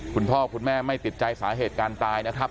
คุณพ่อคุณแม่ไม่ติดใจสาเหตุการณ์ตายนะครับ